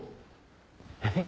えっ？